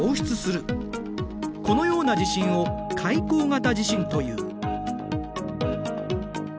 このような地震を海溝型地震という。